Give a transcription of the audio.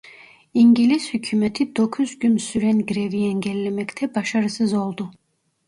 İngiliz hükümeti dokuz gün süren grevi engellemekte başarısız oldu.